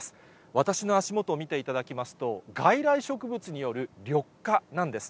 私の足元を見ていただきますと、外来植物による緑化なんです。